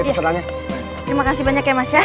terima kasih banyak ya mas ya